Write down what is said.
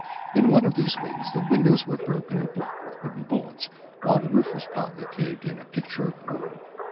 In one of these wings the windows were broken and blocked with wooden boards, while the roof was partly caved in, a picture of ruin.